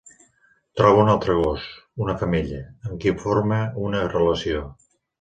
Troba un altre gos, una femella, amb qui forma una relació.